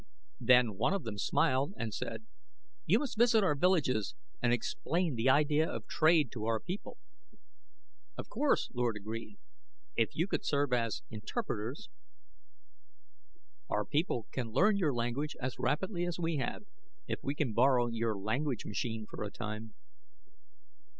Then one of them smiled and said, "You must visit our villages and explain the idea of trade to our people." "Of course," Lord agreed. "If you could serve as interpreters " "Our people can learn your language as rapidly as we have, if we can borrow your language machine for a time."